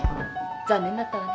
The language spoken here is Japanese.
残念だったわね。